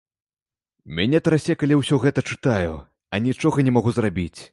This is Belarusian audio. Мяне трасе, калі ўсё гэта чытаю, а нічога не магу зрабіць.